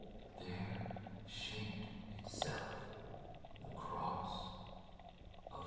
there shaped itself the Cross of Fire!